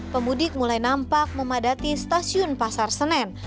pemudik mulai nampak memadati stasiun pasar senen